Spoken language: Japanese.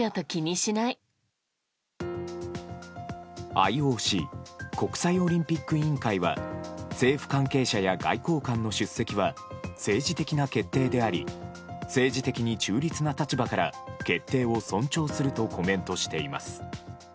ＩＯＣ・国際オリンピック委員会は政府関係者や外交官の出席は政治的な決定であり政治的に中立な立場から決定を尊重するとコメントしています。